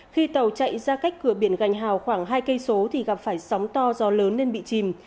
khi tàu chạy ra cách cửa biển gành hào khoảng hai km thì gặp phải sóng to gió lớn nên bị chìm